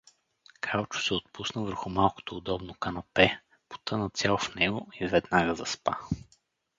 Калчо се отпусна върху малкото удобно канапе, потъна цял в него и веднага заспа.